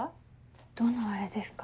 どの「アレ」ですか？